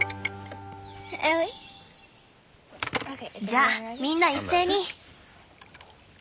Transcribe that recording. じゃみんな一斉に。